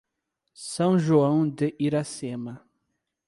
São João de Iracema